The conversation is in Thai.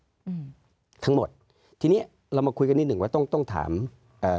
อืมทั้งหมดทีเนี้ยเรามาคุยกันนิดหนึ่งว่าต้องต้องถามเอ่อ